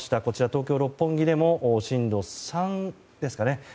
こちら、東京・六本木でも震度３ですかね